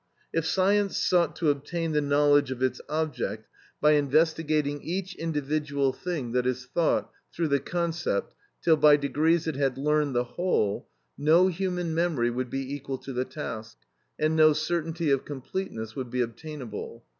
If science sought to obtain the knowledge of its object, by investigating each individual thing that is thought through the concept, till by degrees it had learned the whole, no human memory would be equal to the task, and no certainty of completeness would be obtainable.